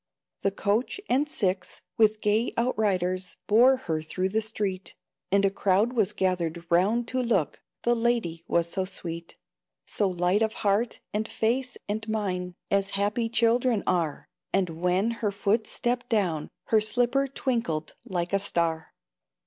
The coach and six, with gay outriders, Bore her through the street, And a crowd was gathered round to look, The lady was so sweet, So light of heart, and face, and mien, As happy children are; And when her foot stepped down, Her slipper twinkled like a star.